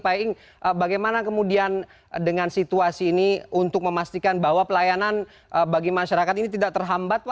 pak iing bagaimana kemudian dengan situasi ini untuk memastikan bahwa pelayanan bagi masyarakat ini tidak terhambat